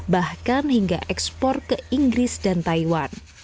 bahkan hingga ekspor ke inggris dan taiwan